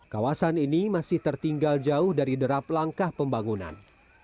kawasan ini masih tertinggal jauh dari derap langkah pembangunan